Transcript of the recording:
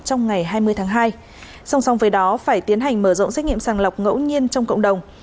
trong ngày hai mươi tháng hai song song với đó phải tiến hành mở rộng xét nghiệm sàng lọc ngẫu nhiên trong cộng đồng